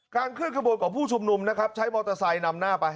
การเคลื่อนขบบนของผู้ชุมนุ่มใช้มอเตอร์ไซส์นำหน้าไป